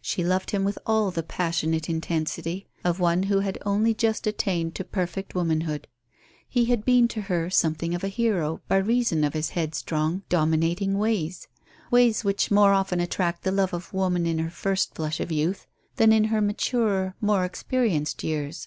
She loved him with all the passionate intensity of one who had only just attained to perfect womanhood. He had been to her something of a hero, by reason of his headstrong, dominating ways ways which more often attract the love of woman in the first flush of her youth than in her maturer, more experienced years.